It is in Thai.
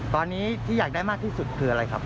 ตอนนี้ที่อยากได้มากที่สุดคืออะไรครับ